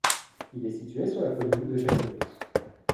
Il est situé sur la commune de Gémenos.